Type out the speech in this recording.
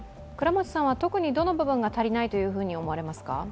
特にどの部分が足りないと思われますか。